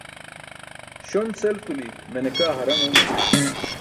Śon-sel kuli̇ mene kaa haraṅ oomani̇ṣ.